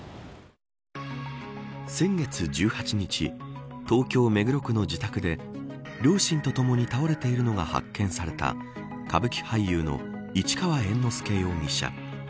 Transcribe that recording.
先月１８日東京目黒区の自宅で両親と共に倒れているのが発見された歌舞伎俳優の市川猿之助容疑者。